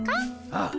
ああ。